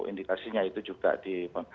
indikasinya itu juga di